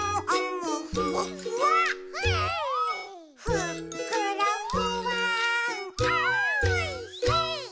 「ふっくらふわーんあ−おいしい！」